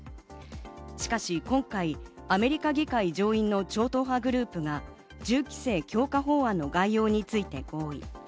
しかし、今回アメリカ議会上院の超党派グループが銃規制強化法案の概要について合意。